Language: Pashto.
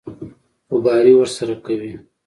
خوباري ورسره کوي.